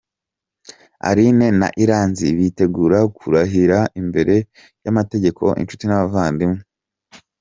Aline na Iranzi bitegura kurahirira imbere y'amategeko inshuti n'abavandimwe.